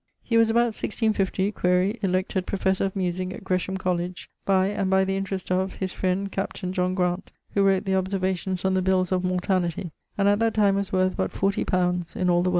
He was about 1650 (quaere) elected Professor of Musique at Gresham Colledge, by, and by the interest of, his friend captaine John Graunt (who wrote the Observations on the Bills of Mortality), and at that time was worth but fourtie pounds in all the world.